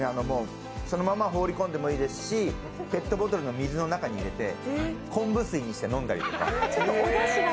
そのまま放り込んでもいいですし、ペットボトルの水の中に入れて昆布水にして飲んで。